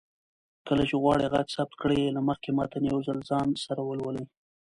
کله چې غواړئ غږ ثبت کړئ، له مخکې متن يو ځل ځان سره ولولئ